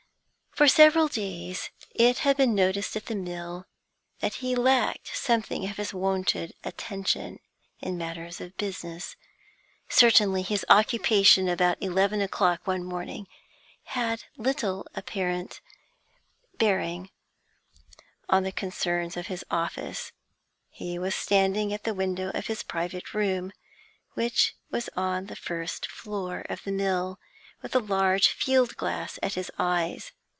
For several days it had been noticed at the mill that he lacked something of his wonted attention in matters of business. Certainly his occupation about eleven o'clock one morning had little apparent bearing on the concerns of his office; he was standing at the window of his private room, which was on the first floor of the mill, with a large field glass at his eyes.